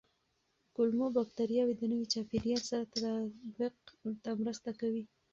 کولمو بکتریاوې د نوي چاپېریال سره تطابق ته مرسته کوي.